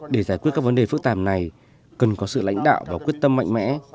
để giải quyết các vấn đề phức tạp này cần có sự lãnh đạo và quyết tâm mạnh mẽ